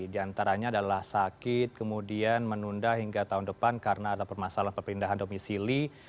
di antaranya adalah sakit kemudian menunda hingga tahun depan karena ada permasalahan perpindahan domisili